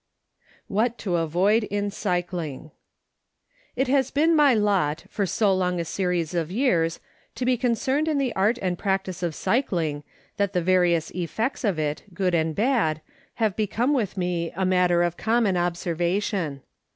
WHAT TO AVOID IN CYCLING. BY SIR BENJAMIN WARD BICHABDSON, M. D., V. E. S. It has been my lot for so long a series of years to be concerned in the art and practice of cycling that the various effects of it, good and bad, have become with me a matter of common observa tion.